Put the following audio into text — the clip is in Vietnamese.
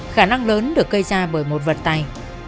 khả năng lớn được cây ra bởi một vật tay